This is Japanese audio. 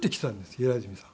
平泉さん。